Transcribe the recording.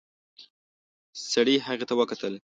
سړي هغې ته وکتل.